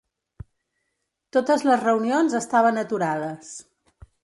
Totes les reunions estaven aturades...